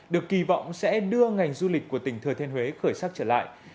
được kỳ vọng sẽ đưa ngành du lịch của tỉnh thừa thiên huế khởi sắc trở lại